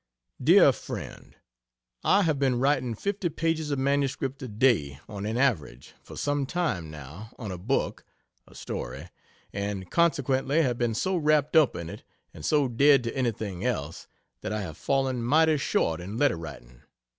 DEAR FRIEND, I have been writing fifty pages of manuscript a day, on an average, for sometime now, on a book (a story) and consequently have been so wrapped up in it and so dead to anything else, that I have fallen mighty short in letter writing.